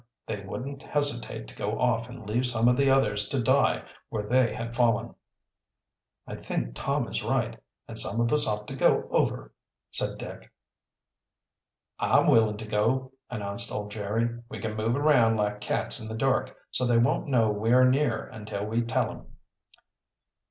They wouldn't hesitate to go off and leave some of the others to die where they had fallen." "I think Tom is right, and some of us ought to go over," said Dick. "I'm willing to go," announced old Jerry. "We can move around like cats in the dark, so they won't know we are near until we tell 'em."